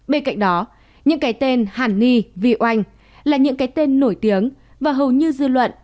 bên cạnh đó những cái tên hàn ni vy oanh là những cái tên nổi tiếng và hầu như dư luận